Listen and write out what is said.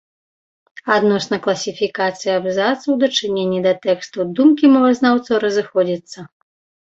Адносна класіфікацыі абзацу ў дачыненні да тэксту думкі мовазнаўцаў разыходзяцца.